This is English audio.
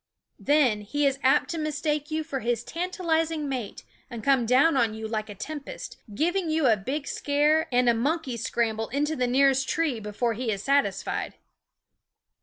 Then he is apt to mistake you for his tantalizing mate, and come down on you like a tempest, giving you a big scare and a monkey scram ble into the nearest tree before he is satisfied.